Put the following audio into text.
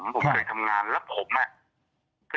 ผมเคยทำงานและผมเนี่ย